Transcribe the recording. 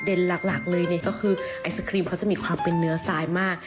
หลักเลยเนี่ยก็คือไอศครีมเขาจะมีความเป็นเนื้อทรายมาก